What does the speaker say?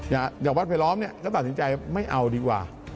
อย่างวัดไผลล้อมเนี่ยก็ตัดสินใจไม่เอาดีกว่า